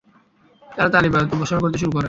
তারা তার ইবাদত-উপাসনা করতে শুরু করে।